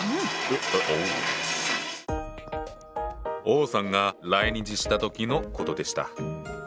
王さんが来日した時の事でした。